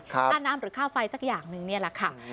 ค่าน้ำหรือค่าไฟสักอย่างหนึ่งนี่แหละค่ะ